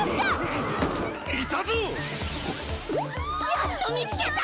やっと見つけた！